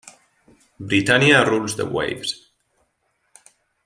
Britannia Rules the Waves!